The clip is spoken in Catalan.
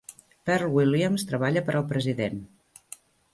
Pearl Williams treballa per al president.